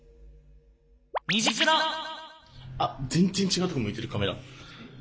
あ全然違うとこ向いてるカメラ。